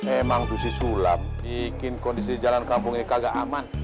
emang tuh si sulam bikin kondisi jalan kampung ini kagak aman